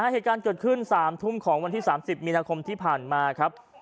เหตุการณ์เกิดขึ้น๓ทุ่มของวันที่๓๐มีนาคมที่ผ่านมาครับ